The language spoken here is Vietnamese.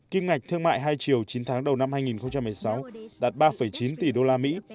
kim ngạch thương mại hai triệu chín tháng đầu năm hai nghìn một mươi sáu đạt ba chín tỷ đô la mỹ